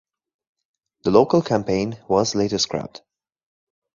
The local campaign was later scrapped.